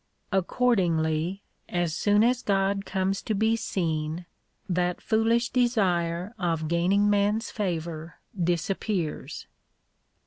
Accordingly, as soon as God comes to be seen, that foolish desire of gaining man's favour disappears.